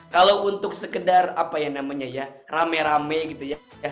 kalau untuk sekedar apa ya namanya ya rame rame gitu ya